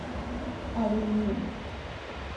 Али у њима.